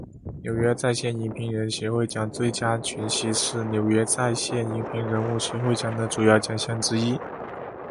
纽约在线影评人协会奖最佳群戏是纽约在线影评人协会奖的主要奖项之一。